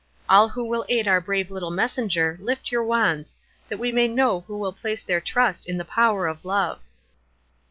All who will aid our brave little messenger, lift your wands, that we may know who will place their trust in the Power of Love."